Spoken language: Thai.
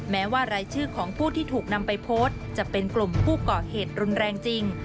แม้ว่ารายชื่อของผู้ที่ถูกนำไปโพสต์จะเป็นกลุ่มผู้ก่อเหตุรุนแรงจริง